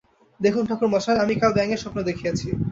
দেখুন ঠাকুরমশায়, আমি কাল ব্যাঙের স্বপ্ন দেখিয়াছি।